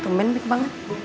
tumben baik banget